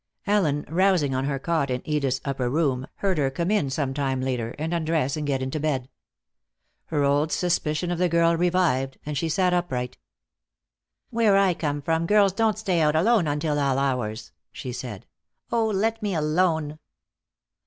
Ellen, rousing on her cot in Edith's upper room, heard her come in some time later, and undress and get into bed. Her old suspicion of the girl revived, and she sat upright. "Where I come from girls don't stay out alone until all hours," she said. "Oh, let me alone."